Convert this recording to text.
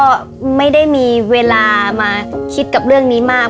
ก็ไม่ได้มีเวลามาคิดกับเรื่องนี้มาก